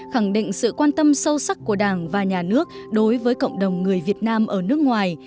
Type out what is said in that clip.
khẳng định sự quan tâm sâu sắc của đảng và nhà nước đối với cộng đồng người việt nam ở nước ngoài